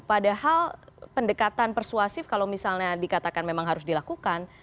padahal pendekatan persuasif kalau misalnya dikatakan memang harus dilakukan